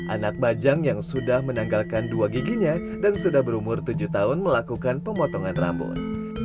anak bajang yang sudah menanggalkan dua giginya dan sudah berumur tujuh tahun melakukan pemotongan rambut